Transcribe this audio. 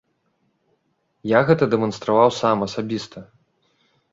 Я гэта дэманстраваў сам асабіста.